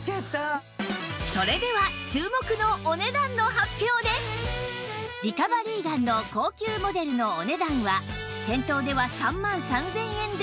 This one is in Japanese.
それではリカバリーガンの高級モデルのお値段は店頭では３万３０００円でしたが